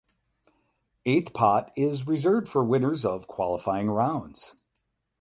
Eighth pot is reserved for winners of qualifying rounds.